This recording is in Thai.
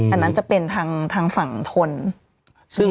อันนั้นจะเป็นทางฝั่งทน